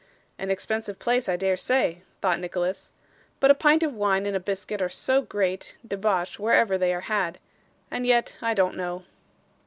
'An expensive place, I dare say,' thought Nicholas; 'but a pint of wine and a biscuit are no great debauch wherever they are had. And yet I don't know.